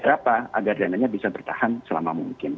apa agar dana nya bisa bertahan selama mungkin